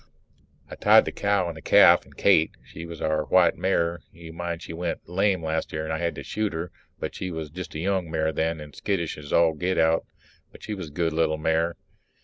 I tied the cow and the calf and Kate she was our white mare; you mind she went lame last year and I had to shoot her, but she was just a young mare then and skittish as all get out but she was a good little mare.